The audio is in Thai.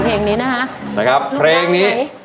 เพื่อว่าปวดเสียว